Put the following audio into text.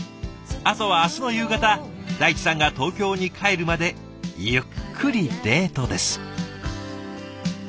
あとは明日の夕方大地さんが東京に帰るまでゆっくりデートです。